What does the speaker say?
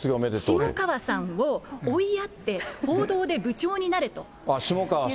下川さんを追いやって、報道で部長になれと。